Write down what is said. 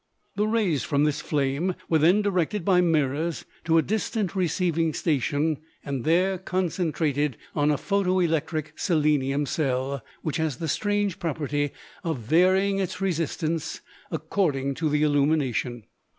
The rays from this flame were then directed by mirrors to a distant receiving station and there concentrated on a photo electric selenium cell, which has the strange property of varying its resistance according to the illumination.